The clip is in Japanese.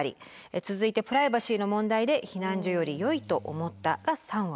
続いて「プライバシーの問題」で避難所よりよいと思ったが３割。